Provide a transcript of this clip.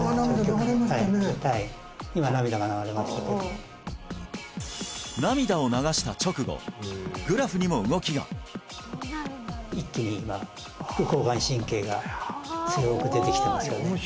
はい今涙が流れましたけど涙を流した直後グラフにも動きが一気に今副交感神経が強く出てきてますよね